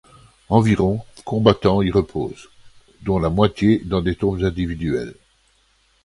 Environ combattants y reposent, dont la moitié dans des tombes individuelles.